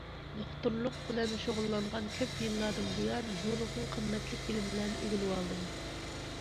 دوختۇرلۇق بىلەن شۇغۇللانغان كۆپ يىللاردىن بۇيان، نۇرغۇن قىممەتلىك بىلىملەرنى ئۆگىنىۋالدىم.